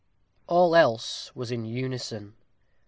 All else was in unison.